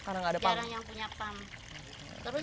sekarang nggak ada pam terus banyak kan pada punya begini pada nyalang